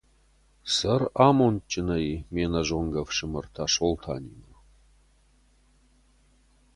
Цӕр амондджынӕй ме ’нӕзонгӕ ӕфсымӕр Тасолтанимӕ!